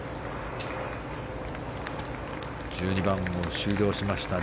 １２番を終了しました。